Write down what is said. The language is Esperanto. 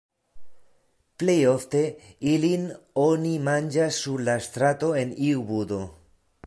Plejofte ilin oni manĝas sur la strato en iu budo.